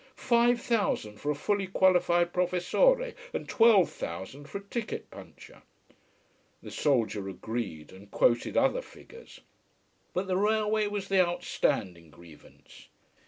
Five thousand for a fully qualified professore, and twelve thousand for a ticket puncher. The soldier agreed, and quoted other figures. But the railway was the outstanding grievance.